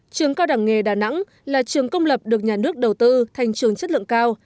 trường cao đẳng nghề đà nẵng là trường công lập được nhà nước đầu tư thành trường chất lượng cao